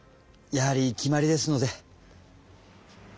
やはり決まりですので。